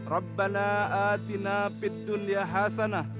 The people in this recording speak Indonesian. rabbana atina fit dunya hasanah